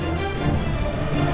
jangan pak landung